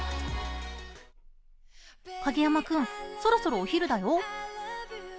影山君、そろそろお昼だよ？